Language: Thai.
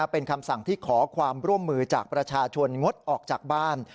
เป็นคำสั่งที่ขอความร่วมมือจากประชาชนงดออกจากบ้าน